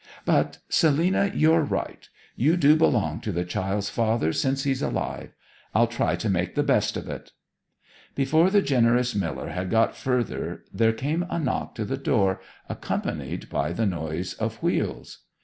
But Selina you're right. You do belong to the child's father since he's alive. I'll try to make the best of it.' Before the generous Miller had got further there came a knock to the door accompanied by the noise of wheels.